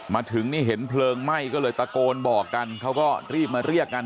มาถึงนี่เห็นเพลิงไหม้ก็เลยตะโกนบอกกันเขาก็รีบมาเรียกกัน